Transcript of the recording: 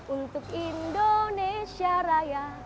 untuk indonesia raya